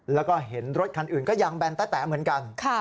แล้วก็เห็นรถคันอื่นก็ยังแบนแต๊ะเหมือนกัน